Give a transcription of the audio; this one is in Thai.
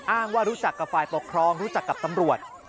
ว่ารู้จักกับฝ่ายปกครองรู้จักกับตำรวจ